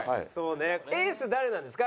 エース誰なんですか？